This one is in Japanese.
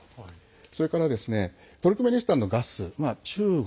それからトルクメニスタンのガス中国